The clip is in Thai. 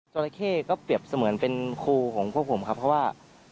ราเข้ก็เปรียบเสมือนเป็นครูของพวกผมครับเพราะว่า